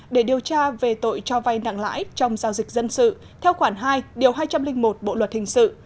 để điều tra về tội cho vay nặng lãi trong giao dịch dân sự theo khoản hai điều hai trăm linh một bộ luật hình sự